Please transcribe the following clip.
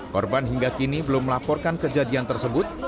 korban hingga kini belum melaporkan kejadian tersebut